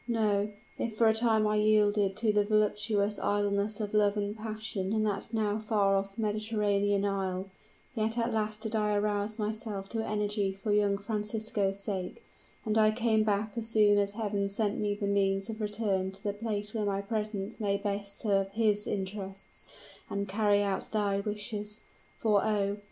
No; if for a time I yielded to the voluptuous idleness of love and passion in that now far off Mediterranean isle, yet, at last did I arouse myself to energy for young Francisco's sake, and I came back as soon as Heaven sent me the means of return to the place where my presence may best serve his interests, and carry out thy wishes! For, oh!